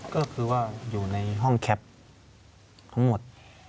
ก็คือว่าอยู่ในห้องแคปทั้งหมด